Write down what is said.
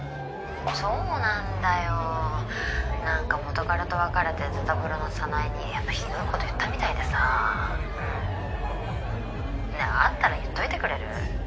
そうなんだよなんか元カレと別れてズタボロの早苗にひどいこと言ったみたいでさねぇ会ったら言っといてくれる？